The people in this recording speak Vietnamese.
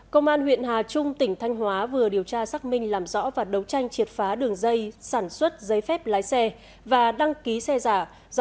công an huyện hà trung tỉnh thanh hóa vừa điều tra xác minh làm rõ và đấu tranh triệt phá đường dây sản xuất giấy phép lái xe và đăng ký xe giả